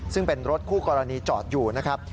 ซึ่งเป็นรถคู่กรณีจอดอยู่นะครับ